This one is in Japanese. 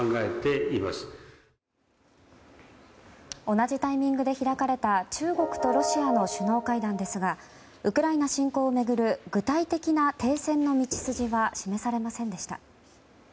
同じタイミングで開かれた中国とロシアの首脳会談ですがウクライナ侵攻を巡る具体的な停戦の道筋は示されませんでした。